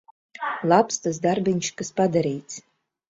Labs tas darbiņš, kas padarīts.